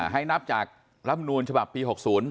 ให้นับจากลำนูลฉบับปี๖๐